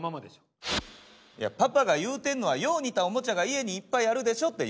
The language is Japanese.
パパが言うてんのはよう似たオモチャが家にいっぱいあるでしょって言ってんの。